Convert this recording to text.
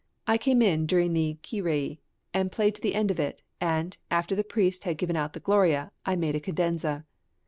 I came in during the Kyrie, played the end of it, and, after the priest had given out the Gloria, I made a cadenza.